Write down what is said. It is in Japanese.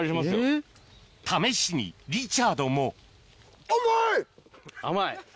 えぇ⁉試しにリチャードも甘い？